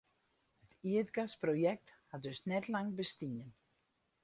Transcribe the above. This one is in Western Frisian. It ierdgasprojekt hat dus net lang bestien.